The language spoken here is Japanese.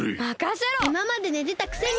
いままでねてたくせに！